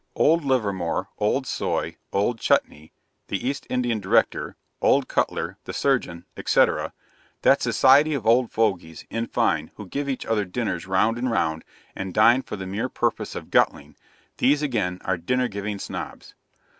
Old Livermore, old Soy, old Chutney, the East Indian Director, old Cutler, the Surgeon, &c., that society of old fogies, in fine, who give each other dinners round and round, and dine for the mere purpose of guttling these, again, are Dinner giving Snobs.